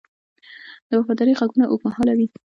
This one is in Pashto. د وفادارۍ ږغونه اوږدمهاله وي.